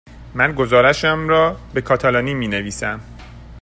من گزارشم را به کاتالانی می نویسم.